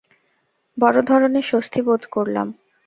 বড় ধরনের স্বস্তি বোধ করলাম।